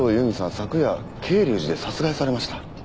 昨夜恵竜寺で殺害されました。